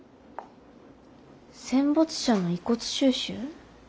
戦没者の遺骨収集。